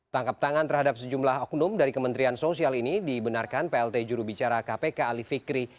tangkap tangan terhadap sejumlah oknum dari kementerian sosial ini dibenarkan plt jurubicara kpk ali fikri